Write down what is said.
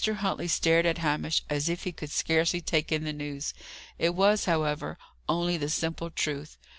Huntley stared at Hamish as if he could scarcely take in the news. It was, however, only the simple truth.